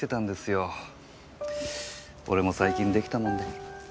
俺も最近できたもんで。